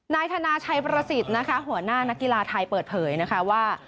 นายธนาชัยประสิทธิ์นะคะหัวหน้านักกีฬาไทยเปิดเผยนะคะว่า